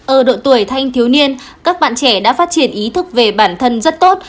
ở độ tuổi thanh thiếu niên các bạn trẻ đã phát triển ý thức về bản thân rất tốt